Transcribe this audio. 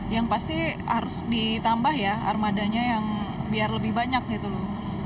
yang pasti harus ditambah ya armadanya yang biar lebih banyak gitu loh